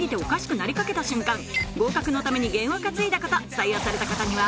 採用された方には